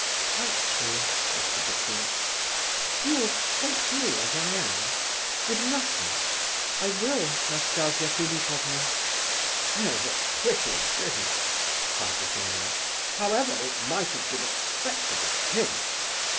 "Quite true," whispered the prince. "You'll take me as I am, with nothing?" "I will, Nastasia Philipovna." "Here's a pretty business!" cried the general. "However, it might have been expected of him."